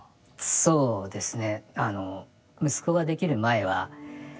そうですね